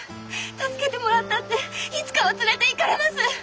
助けてもらったっていつかは連れていかれます！